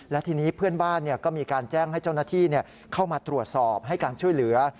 และทีนี้เพื่อนบ้านก็มีการแจ้งให้เจ้าหน้าที่เข้ามาตรวจสอบให้การช่วยเหลือ